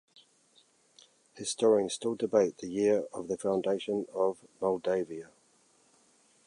Historians still debate the year of the foundation of Moldavia.